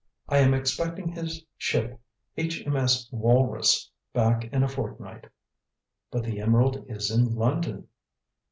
I am expecting his ship, H.M.S. Walrus, back in a fortnight." "But the emerald is in London."